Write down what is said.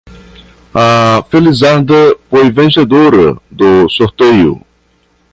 A felizarda foi vencedora do sorteio